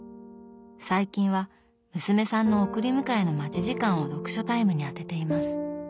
最近は娘さんの送り迎えの待ち時間を読書タイムにあてています。